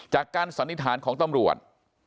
จากการสันนิษฐานของต้องรวจ